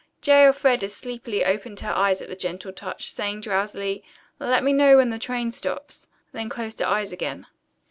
J. Elfreda sleepily opened her eyes at the gentle touch, saying drowsily, "Let me know when the train stops." Then closed her eyes again.